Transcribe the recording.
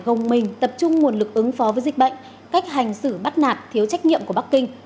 gồng mình tập trung nguồn lực ứng phó với dịch bệnh cách hành xử bắt nạt thiếu trách nhiệm của bắc kinh